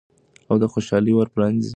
او د خوشحالۍ ور پرانیزئ.